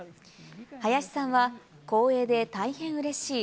林さんは、光栄で大変うれしい。